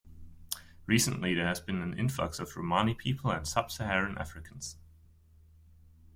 Recently, there has been an influx of Romani people and Sub-Saharan Africans.